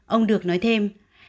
ông được nói thêm